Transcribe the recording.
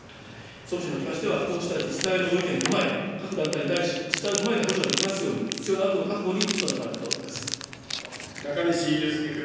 総務省におきましては、こうした自治体のご意見も踏まえ、各団体に対し、実態を踏まえた補助ができますように、必要な枠の確保に中西祐介君。